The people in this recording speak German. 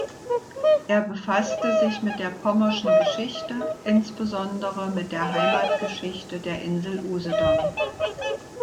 Er befasste sich mit der pommerschen Geschichte, insbesondere mit der Heimatgeschichte der Insel Usedom.